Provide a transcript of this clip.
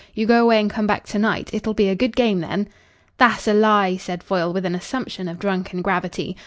"You go away and come back to night. It'll be a good game then." "Tha'ss a lie," said Foyle, with an assumption of drunken gravity.